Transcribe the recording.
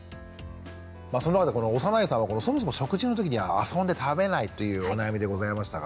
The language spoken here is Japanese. そんな中で小山内さんはそもそも食事の時に遊んで食べないというお悩みでございましたが。